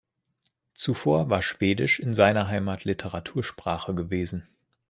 Zuvor war Schwedisch in seiner Heimat Literatursprache gewesen.